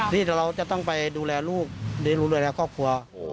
ที่เราจะต้องไปดูแลลูกดูแลแหละครอบครัว